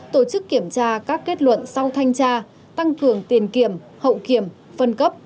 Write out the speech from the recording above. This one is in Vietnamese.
tổ chức kiểm tra các kết luận sau thanh tra tăng cường tiền kiểm hậu kiểm phân cấp